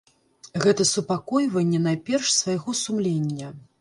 Гэта супакойванне найперш свайго сумлення.